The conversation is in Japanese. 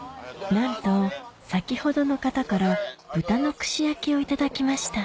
なんと先ほどの方から豚の串焼きを頂きました